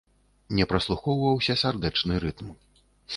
Не праслухоўваўся сардэчны рытм.